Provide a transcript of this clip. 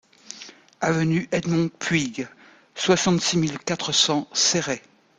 Avenue Edmond Puig, soixante-six mille quatre cents Céret